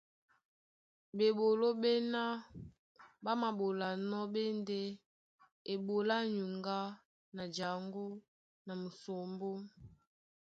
Bɓeɓoló ɓéná ɓá māɓolanɔ́ ɓé e ndé eɓoló á nyuŋgá na jaŋgó na musombó.